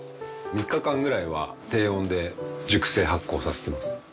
３日間ぐらいは低温で熟成発酵させてます。